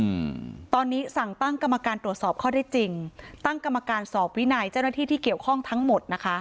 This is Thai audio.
อืมตอนนี้สั่งตั้งกรรมการตรวจสอบข้อได้จริงตั้งกรรมการสอบวินัยเจ้าหน้าที่ที่เกี่ยวข้องทั้งหมดนะคะ